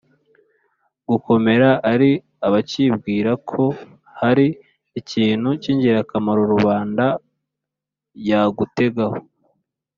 gukomera ari abacyibwira ko hari ikintu cy'ingirakamaro rubanda yagutegaho,